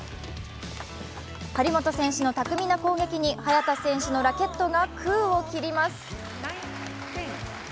張本選手の巧みな攻撃に早田選手のラケットが空を切ります。